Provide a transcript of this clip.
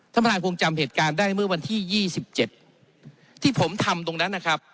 ธรรมดาควงจำเหตุการณ์ได้ในเมื่อวันที่ยี่สิบเจ็ดที่ผมทำตรงนั้นนะครับ